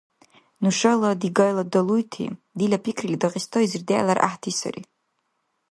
Нушала дигайла далуйти, дила пикрили Дагъистайзир дегӀлара гӀяхӀти сари